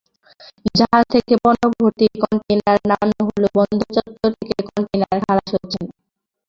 জাহাজ থেকে পণ্যভর্তি কনটেইনার নামানো হলেও বন্দর চত্বর থেকে কনটেইনার খালাস হচ্ছে না।